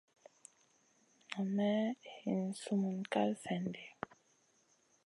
Nam may hin summun kal slèn di.